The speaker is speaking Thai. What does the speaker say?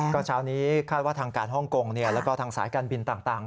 ก็เช้านี้คาดว่าทางการฮ่องกงแล้วก็ทางสายการบินต่าง